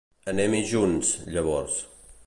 Anem-hi junts, llavors.